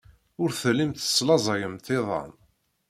Ur tellimt teslaẓayemt iḍan.